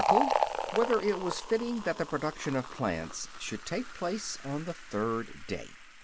2] Whether It Was Fitting That the Production of Plants Should Take Place on the Third Day?